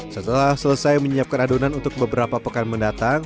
setelah selesai menyiapkan adonan untuk beberapa pekan mendatang